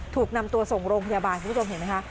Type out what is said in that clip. ถูกนำตัวส่งโรงพยาบาลคุณผู้ชมเห็นไหมคะ